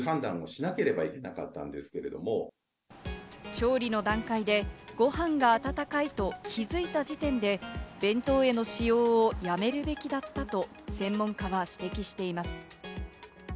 調理の段階でご飯が温かいと気づいた時点で、弁当への使用をやめるべきだったと専門家は指摘しています。